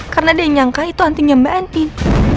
karena dia yang nyangka itu antingnya mbak andin